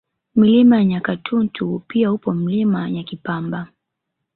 Milima ya Nyakatuntu pia upo Mlima Nyakipamba